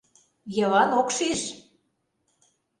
Йыван ок шиж.